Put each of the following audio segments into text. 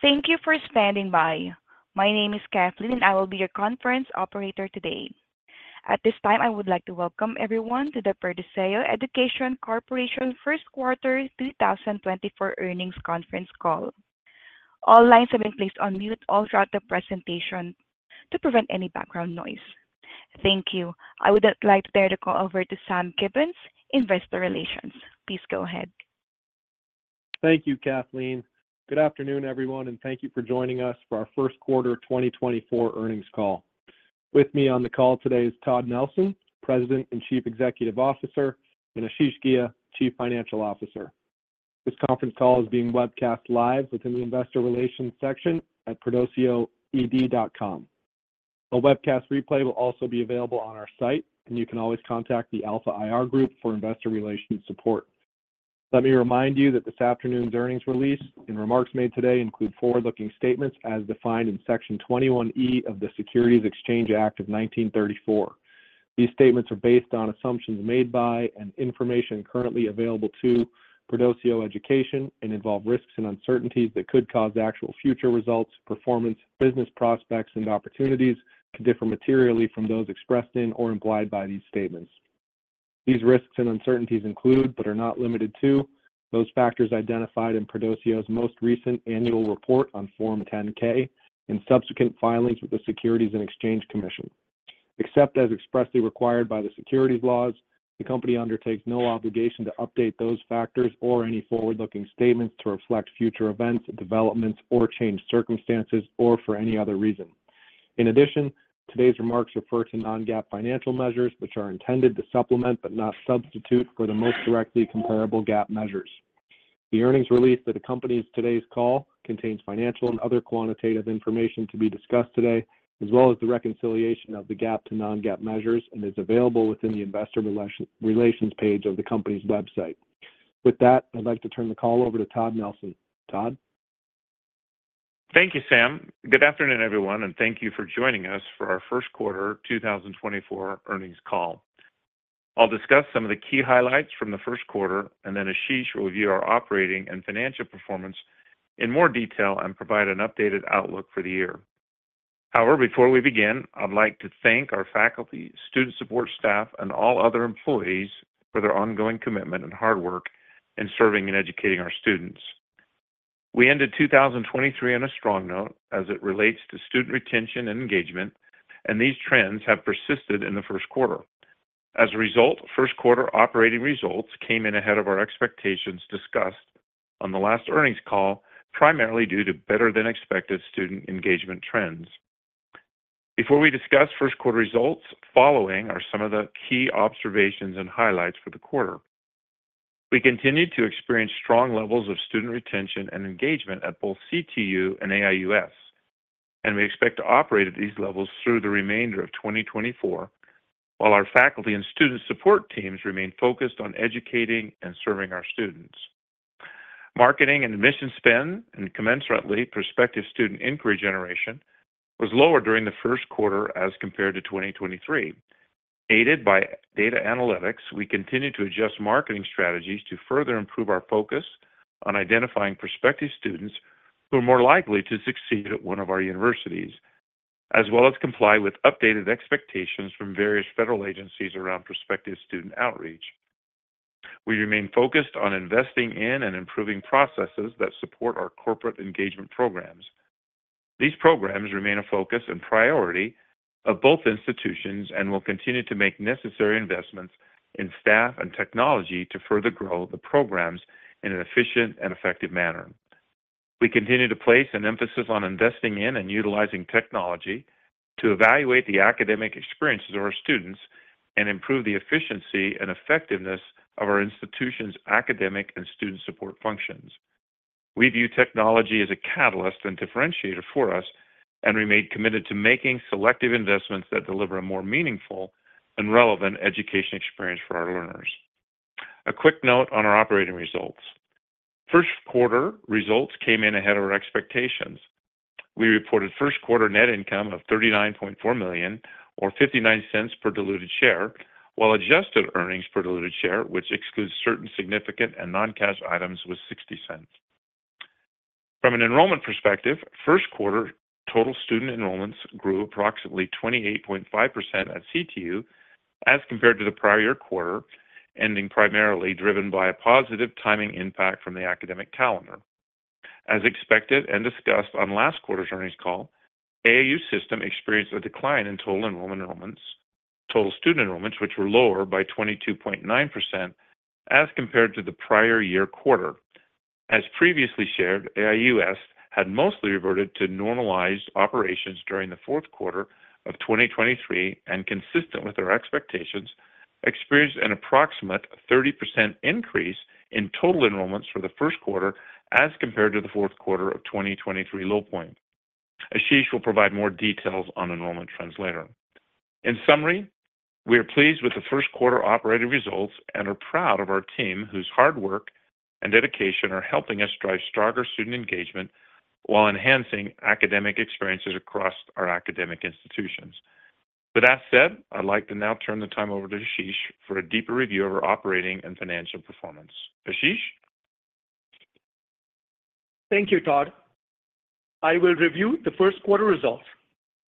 Thank you for standing by. My name is Kathleen, and I will be your conference operator today. At this time, I would like to welcome everyone to the Perdoceo Education Corporation first quarter 2024 earnings conference call. All lines have been placed on mute all throughout the presentation to prevent any background noise. Thank you. I would like to turn the call over to Sam Gibbons, Investor Relations. Please go ahead. Thank you, Kathleen. Good afternoon, everyone, and thank you for joining us for our first quarter 2024 earnings call. With me on the call today is Todd Nelson, President and Chief Executive Officer, and Ashish Ghia, Chief Financial Officer. This conference call is being webcast live within the investor relations section at perdoceo.com. A webcast replay will also be available on our site, and you can always contact the Alpha IR Group for investor relations support. Let me remind you that this afternoon's earnings release and remarks made today include forward-looking statements as defined in Section 21E of the Securities Exchange Act of 1934. These statements are based on assumptions made by and information currently available to Perdoceo Education and involve risks and uncertainties that could cause actual future results, performance, business prospects, and opportunities to differ materially from those expressed in or implied by these statements. These risks and uncertainties include, but are not limited to, those factors identified in Perdoceo's most recent annual report on Form 10-K and subsequent filings with the Securities and Exchange Commission. Except as expressly required by the securities laws, the company undertakes no obligation to update those factors or any forward-looking statements to reflect future events, developments, or changed circumstances, or for any other reason. In addition, today's remarks refer to non-GAAP financial measures, which are intended to supplement, but not substitute, for the most directly comparable GAAP measures. The earnings release that accompanies today's call contains financial and other quantitative information to be discussed today, as well as the reconciliation of the GAAP to non-GAAP measures, and is available within the investor relations, relations page of the company's website. With that, I'd like to turn the call over to Todd Nelson. Todd? Thank you, Sam. Good afternoon, everyone, and thank you for joining us for our first quarter 2024 earnings call. I'll discuss some of the key highlights from the first quarter, and then Ashish will review our operating and financial performance in more detail and provide an updated outlook for the year. However, before we begin, I'd like to thank our faculty, student support staff, and all other employees for their ongoing commitment and hard work in serving and educating our students. We ended 2023 on a strong note as it relates to student retention and engagement, and these trends have persisted in the first quarter. As a result, first quarter operating results came in ahead of our expectations discussed on the last earnings call, primarily due to better than expected student engagement trends. Before we discuss first quarter results, following are some of the key observations and highlights for the quarter. We continued to experience strong levels of student retention and engagement at both CTU and AIUS, and we expect to operate at these levels through the remainder of 2024, while our faculty and student support teams remain focused on educating and serving our students. Marketing and admissions spend, and commensurately, prospective student inquiry generation, was lower during the first quarter as compared to 2023. Aided by data analytics, we continued to adjust marketing strategies to further improve our focus on identifying prospective students who are more likely to succeed at one of our universities, as well as comply with updated expectations from various federal agencies around prospective student outreach. We remain focused on investing in and improving processes that support our corporate engagement programs. These programs remain a focus and priority of both institutions and will continue to make necessary investments in staff and technology to further grow the programs in an efficient and effective manner. We continue to place an emphasis on investing in and utilizing technology to evaluate the academic experiences of our students and improve the efficiency and effectiveness of our institution's academic and student support functions. We view technology as a catalyst and differentiator for us, and remain committed to making selective investments that deliver a more meaningful and relevant education experience for our learners. A quick note on our operating results. First quarter results came in ahead of our expectations. We reported first quarter net income of $39.4 million, or $0.59 per diluted share, while adjusted earnings per diluted share, which excludes certain significant and non-cash items, was $0.60. From an enrollment perspective, first quarter total student enrollments grew approximately 28.5% at CTU as compared to the prior year quarter, ending primarily driven by a positive timing impact from the academic calendar. As expected and discussed on last quarter's earnings call, AIU System experienced a decline in total student enrollments, which were lower by 22.9% as compared to the prior year quarter. As previously shared, AIUS had mostly reverted to normalized operations during the fourth quarter of 2023, and consistent with our expectations, experienced an approximate 30% increase in total enrollments for the first quarter as compared to the fourth quarter of 2023 low point. Ashish will provide more details on enrollment trends later. In summary, we are pleased with the first quarter operating results and are proud of our team, whose hard work and dedication are helping us drive stronger student engagement while enhancing academic experiences across our academic institutions... With that said, I'd like to now turn the time over to Ashish for a deeper review of our operating and financial performance. Ashish? Thank you, Todd. I will review the first quarter results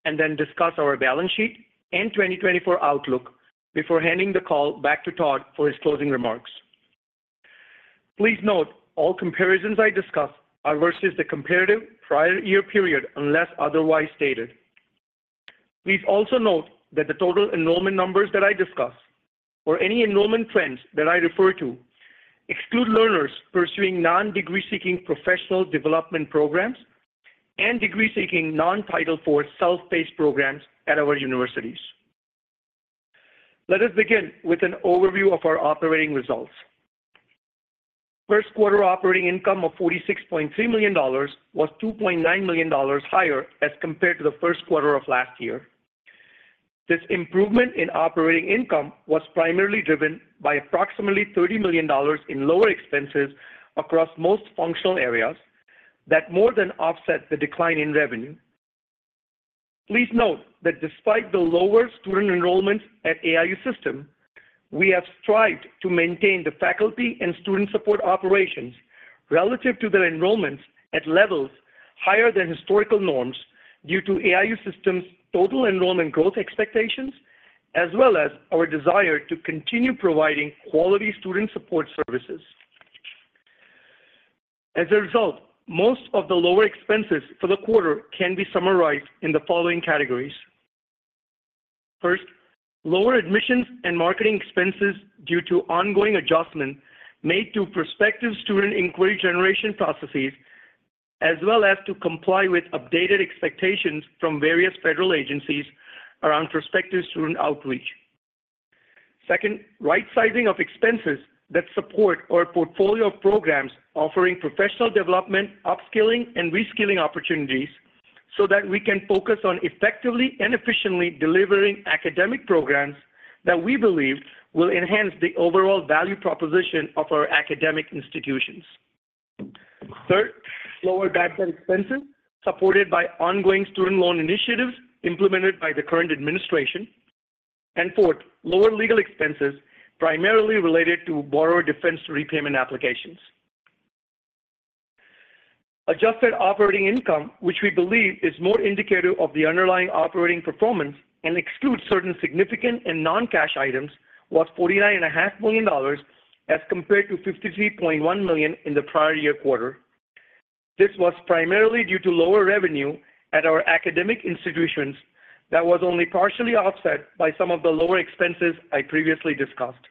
and then discuss our balance sheet and 2024 outlook before handing the call back to Todd for his closing remarks. Please note, all comparisons I discuss are versus the comparative prior year period, unless otherwise stated. Please also note that the total enrollment numbers that I discuss or any enrollment trends that I refer to exclude learners pursuing non-degree-seeking professional development programs and degree-seeking, non-Title IV, self-paced programs at our universities. Let us begin with an overview of our operating results. First quarter operating income of $46.3 million was $2.9 million higher as compared to the first quarter of last year. This improvement in operating income was primarily driven by approximately $30 million in lower expenses across most functional areas that more than offset the decline in revenue. Please note that despite the lower student enrollments at AIU System, we have strived to maintain the faculty and student support operations relative to their enrollments at levels higher than historical norms due to AIU System's total enrollment growth expectations, as well as our desire to continue providing quality student support services. As a result, most of the lower expenses for the quarter can be summarized in the following categories: First, lower admissions and marketing expenses due to ongoing adjustments made to prospective student inquiry generation processes, as well as to comply with updated expectations from various federal agencies around prospective student outreach. Second, right sizing of expenses that support our portfolio of programs offering professional development, upskilling, and reskilling opportunities, so that we can focus on effectively and efficiently delivering academic programs that we believe will enhance the overall value proposition of our academic institutions. Third, lower bad debt expenses supported by ongoing student loan initiatives implemented by the current administration. And fourth, lower legal expenses primarily related to borrower defense repayment applications. Adjusted operating income, which we believe is more indicative of the underlying operating performance and excludes certain significant and non-cash items, was $49.5 million as compared to $53.1 million in the prior year quarter. This was primarily due to lower revenue at our academic institutions that was only partially offset by some of the lower expenses I previously discussed.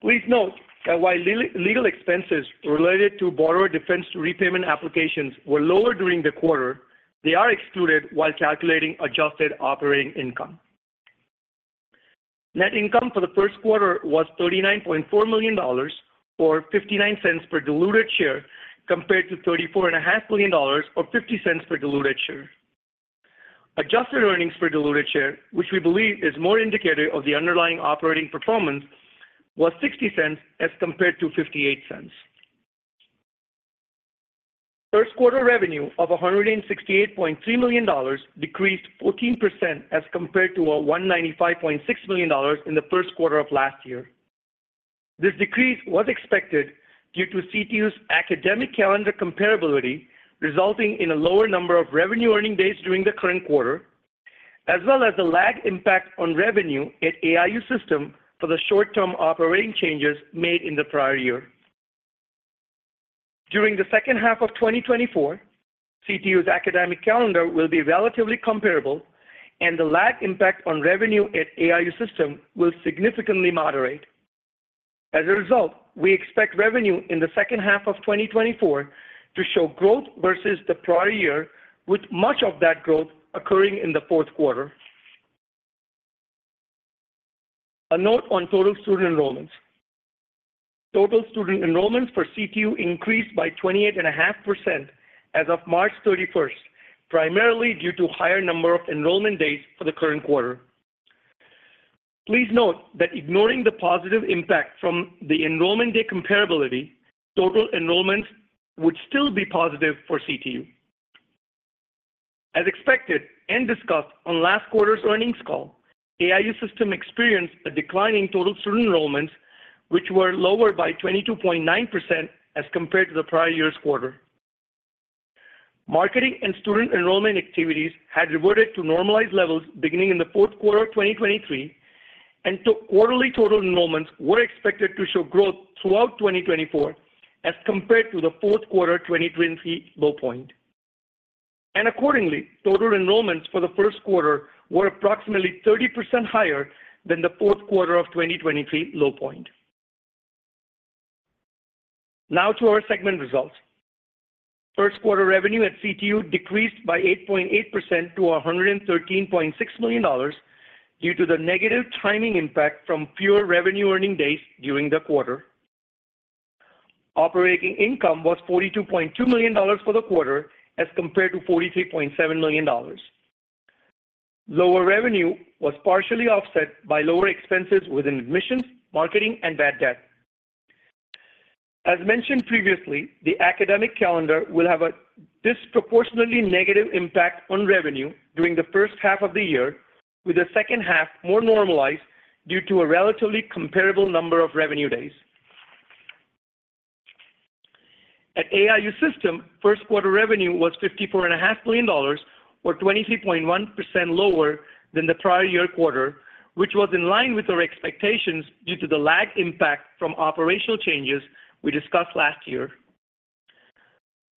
Please note that while legal expenses related to borrower defense repayment applications were lower during the quarter, they are excluded while calculating adjusted operating income. Net income for the first quarter was $39.4 million, or $0.59 per diluted share, compared to $34.5 million, or $0.50 per diluted share. Adjusted earnings per diluted share, which we believe is more indicative of the underlying operating performance, was $0.60 as compared to $0.58. First quarter revenue of $168.3 million decreased 14% as compared to $195.6 million in the first quarter of last year. This decrease was expected due to CTU's academic calendar comparability, resulting in a lower number of revenue earning days during the current quarter, as well as the lag impact on revenue at AIU System for the short-term operating changes made in the prior year. During the second half of 2024, CTU's academic calendar will be relatively comparable, and the lag impact on revenue at AIU System will significantly moderate. As a result, we expect revenue in the second half of 2024 to show growth versus the prior year, with much of that growth occurring in the fourth quarter. A note on total student enrollments. Total student enrollments for CTU increased by 28.5% as ostf March 31, primarily due to higher number of enrollment dates for the current quarter. Please note that ignoring the positive impact from the enrollment day comparability, total enrollments would still be positive for CTU. As expected and discussed on last quarter's earnings call, AIU System experienced a decline in total student enrollments, which were lower by 22.9% as compared to the prior year's quarter. Marketing and student enrollment activities had reverted to normalized levels beginning in the fourth quarter of 2023, and quarterly total enrollments were expected to show growth throughout 2024 as compared to the fourth quarter 2023 low point. And accordingly, total enrollments for the first quarter were approximately 30% higher than the fourth quarter of 2023 low point. Now to our segment results. First quarter revenue at CTU decreased by 8.8% to $113.6 million due to the negative timing impact from fewer revenue earning days during the quarter. Operating income was $42.2 million for the quarter, as compared to $43.7 million. Lower revenue was partially offset by lower expenses within admissions, marketing, and bad debt. As mentioned previously, the academic calendar will have a disproportionately negative impact on revenue during the first half of the year, with the second half more normalized due to a relatively comparable number of revenue days. At AIU System, first quarter revenue was $54.5 million, or 23.1% lower than the prior year quarter, which was in line with our expectations due to the lag impact from operational changes we discussed last year.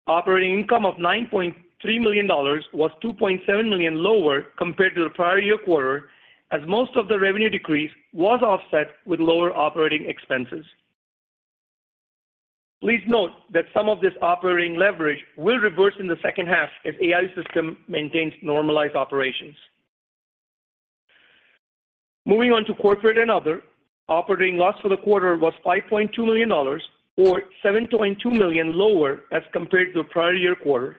Operating income of $9.3 million was $2.7 million lower compared to the prior year quarter, as most of the revenue decrease was offset with lower operating expenses. Please note that some of this operating leverage will reverse in the second half if AIU System maintains normalized operations. Moving on to corporate and other, operating loss for the quarter was $5.2 million or $7.2 million lower as compared to the prior year quarter.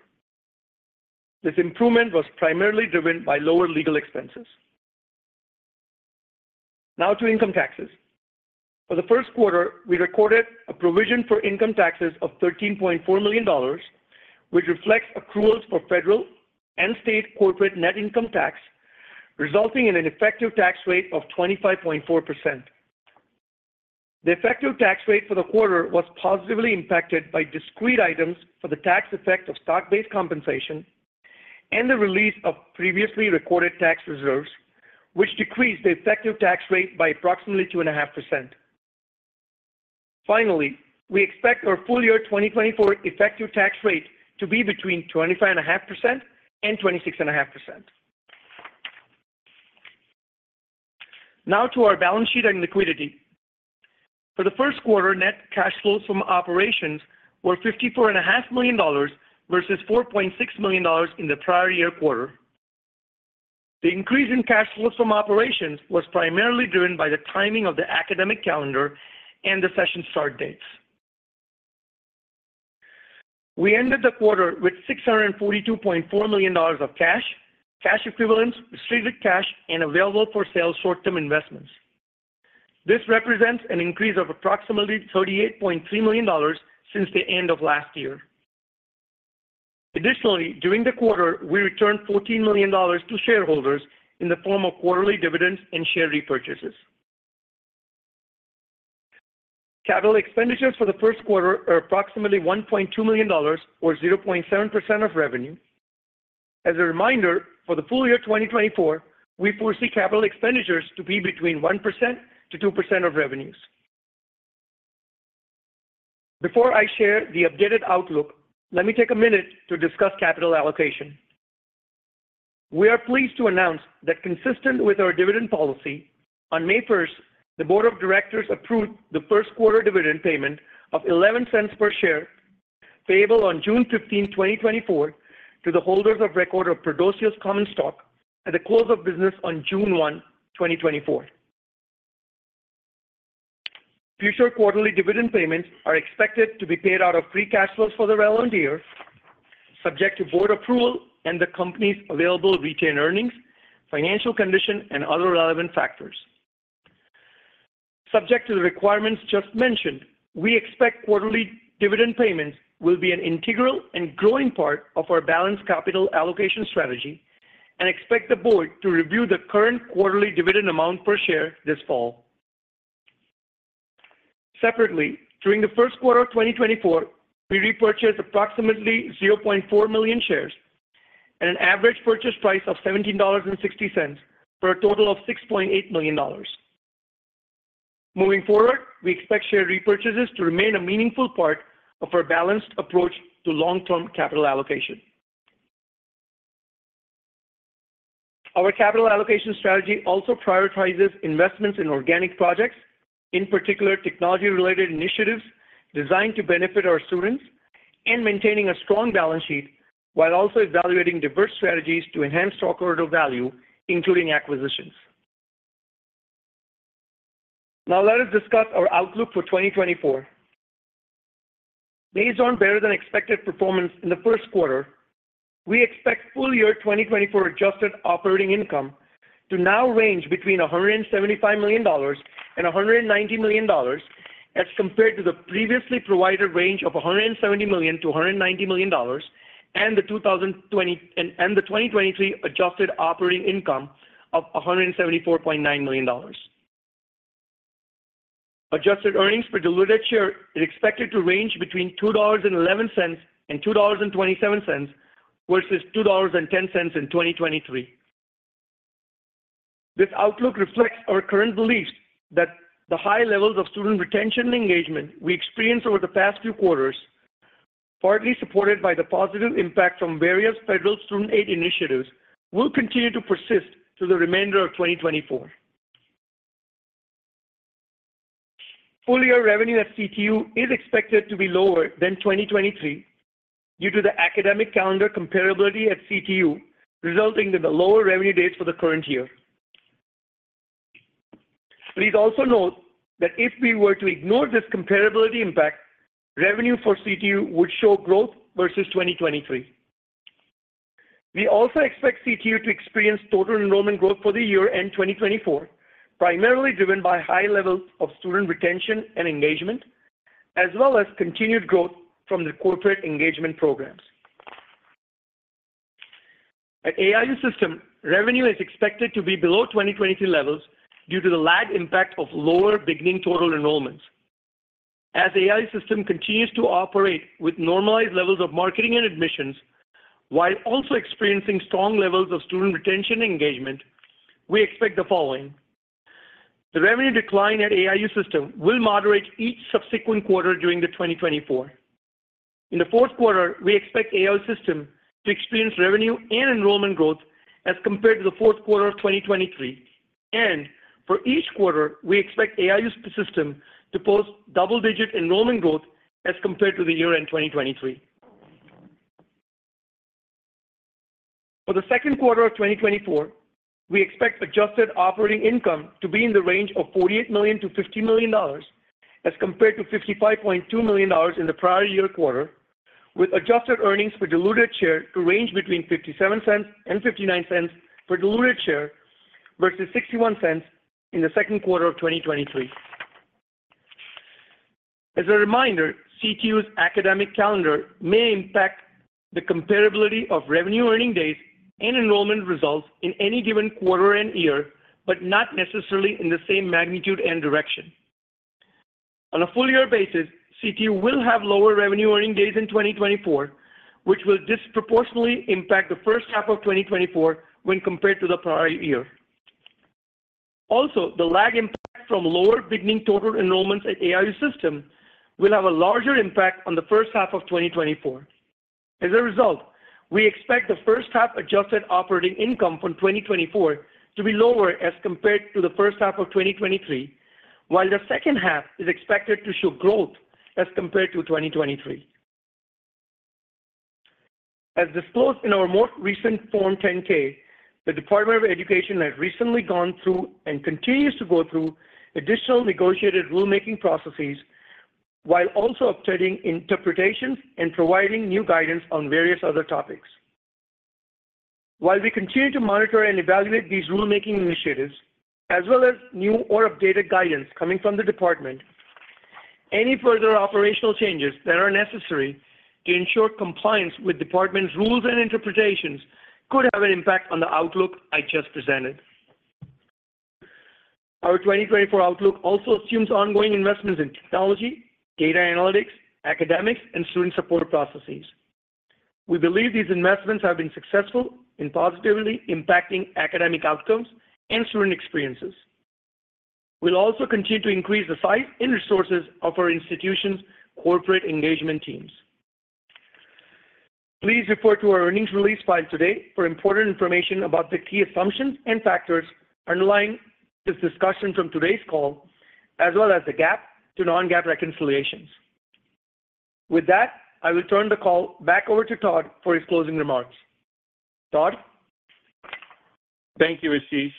This improvement was primarily driven by lower legal expenses. Now to income taxes. For the first quarter, we recorded a provision for income taxes of $13.4 million, which reflects accruals for federal and state corporate net income tax, resulting in an effective tax rate of 25.4%. The effective tax rate for the quarter was positively impacted by discrete items for the tax effect of stock-based compensation and the release of previously recorded tax reserves, which decreased the effective tax rate by approximately 2.5%. Finally, we expect our full year 2024 effective tax rate to be between 25.5% and 26.5%. Now to our balance sheet and liquidity. For the first quarter, net cash flows from operations were $54.5 million, versus $4.6 million in the prior year quarter. The increase in cash flows from operations was primarily driven by the timing of the academic calendar and the session start dates. We ended the quarter with $642.4 million of cash, cash equivalents, restricted cash, and available for sale short-term investments. This represents an increase of approximately $38.3 million since the end of last year. Additionally, during the quarter, we returned $14 million to shareholders in the form of quarterly dividends and share repurchases. Capital expenditures for the first quarter are approximately $1.2 million or 0.7% of revenue. As a reminder, for the full year 2024, we foresee capital expenditures to be between 1%-2% of revenues. Before I share the updated outlook, let me take a minute to discuss capital allocation. We are pleased to announce that consistent with our dividend policy, on May 1st, the board of directors approved the first quarter dividend payment of $0.11 per share, payable on June 15th, 2024, to the holders of record of Perdoceo common stock at the close of business on June 1, 2024. Future quarterly dividend payments are expected to be paid out of free cash flows for the relevant year, subject to board approval and the company's available retained earnings, financial condition, and other relevant factors. Subject to the requirements just mentioned, we expect quarterly dividend payments will be an integral and growing part of our balanced capital allocation strategy and expect the board to review the current quarterly dividend amount per share this fall. Separately, during the first quarter of 2024, we repurchased approximately 0.4 million shares at an average purchase price of $17.60, for a total of $6.8 million. Moving forward, we expect share repurchases to remain a meaningful part of our balanced approach to long-term capital allocation. Our capital allocation strategy also prioritizes investments in organic projects, in particular, technology-related initiatives designed to benefit our students and maintaining a strong balance sheet, while also evaluating diverse strategies to enhance stockholder value, including acquisitions. Now, let us discuss our outlook for 2024. Based on better-than-expected performance in the first quarter, we expect full year 2024 adjusted operating income to now range between $175 million and $190 million, as compared to the previously provided range of $170 million-$190 million, and the 2023 adjusted operating income of $174.9 million. Adjusted earnings per diluted share is expected to range between $2.11 and $2.27, versus $2.10 in 2023. This outlook reflects our current beliefs that the high levels of student retention and engagement we experienced over the past few quarters, partly supported by the positive impact from various federal student aid initiatives, will continue to persist through the remainder of 2024. Full-year revenue at CTU is expected to be lower than 2023 due to the academic calendar comparability at CTU, resulting in the lower revenue days for the current year. Please also note that if we were to ignore this comparability impact, revenue for CTU would show growth versus 2023.... We also expect CTU to experience total enrollment growth for the year-end 2024, primarily driven by high levels of student retention and engagement, as well as continued growth from the corporate engagement programs. At AIU System, revenue is expected to be below 2022 levels due to the lag impact of lower beginning total enrollments. As AIU System continues to operate with normalized levels of marketing and admissions, while also experiencing strong levels of student retention engagement, we expect the following: The revenue decline at AIU System will moderate each subsequent quarter during the 2024. In the fourth quarter, we expect AIU System to experience revenue and enrollment growth as compared to the fourth quarter of 2023, and for each quarter, we expect AIU System to post double-digit enrollment growth as compared to the year-end 2023. For the second quarter of 2024, we expect adjusted operating income to be in the range of $48 million-$50 million, as compared to $55.2 million in the prior year quarter, with adjusted earnings per diluted share to range between $0.57 and $0.59 per diluted share, versus $0.61 in the second quarter of 2023. As a reminder, CTU's academic calendar may impact the comparability of revenue earning days and enrollment results in any given quarter and year, but not necessarily in the same magnitude and direction. On a full year basis, CTU will have lower revenue earning days in 2024, which will disproportionately impact the first half of 2024 when compared to the prior year. Also, the lag impact from lower beginning total enrollments at AIU System will have a larger impact on the first half of 2024. As a result, we expect the first half adjusted operating income from 2024 to be lower as compared to the first half of 2023, while the second half is expected to show growth as compared to 2023. As disclosed in our more recent Form 10-K, the Department of Education has recently gone through and continues to go through additional negotiated rulemaking processes, while also updating interpretations and providing new guidance on various other topics. While we continue to monitor and evaluate these rulemaking initiatives, as well as new or updated guidance coming from the department, any further operational changes that are necessary to ensure compliance with department's rules and interpretations could have an impact on the outlook I just presented. Our 2024 outlook also assumes ongoing investments in technology, data analytics, academics, and student support processes. We believe these investments have been successful in positively impacting academic outcomes and student experiences. We'll also continue to increase the size and resources of our institution's corporate engagement teams. Please refer to our earnings release filed today for important information about the key assumptions and factors underlying this discussion from today's call, as well as the GAAP to non-GAAP reconciliations. With that, I return the call back over to Todd for his closing remarks. Todd? Thank you, Ashish.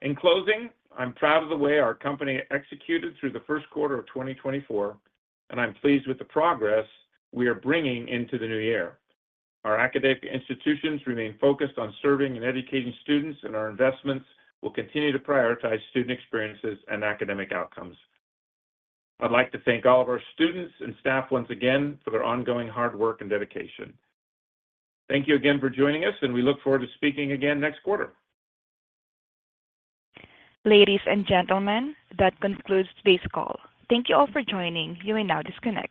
In closing, I'm proud of the way our company executed through the first quarter of 2024, and I'm pleased with the progress we are bringing into the new year. Our academic institutions remain focused on serving and educating students, and our investments will continue to prioritize student experiences and academic outcomes. I'd like to thank all of our students and staff once again for their ongoing hard work and dedication. Thank you again for joining us, and we look forward to speaking again next quarter. Ladies and gentlemen, that concludes today's call. Thank you all for joining. You may now disconnect.